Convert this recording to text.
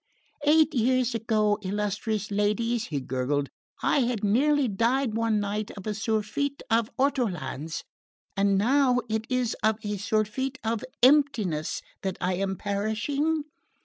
"Eight years ago, illustrious ladies," he gurgled, "I had nearly died one night of a surfeit of ortolans; and now it is of a surfeit of emptiness that I am perishing."